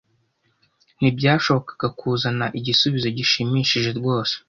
Ntibyashobokaga kuzana igisubizo gishimishije rwose.